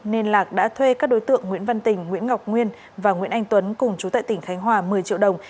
nên lạc đã thuê các đối tượng nguyễn văn tình nguyễn ngọc nguyên và nguyễn anh tuấn cùng chú tại tỉnh khánh hòa một mươi triệu đồng